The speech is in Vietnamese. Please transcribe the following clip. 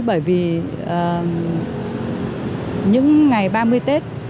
bởi vì những ngày ba mươi tết